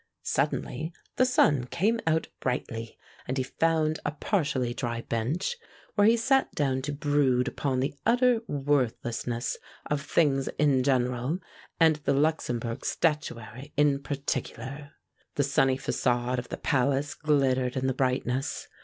Suddenly the sun came out brightly, and he found a partially dry bench, where he sat down to brood upon the utter worthlessness of things in general and the Luxembourg statuary in particular. The sunny façade of the palace glittered in the brightness.